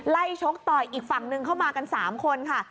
ชกต่อยอีกฝั่งนึงเข้ามากัน๓คนค่ะ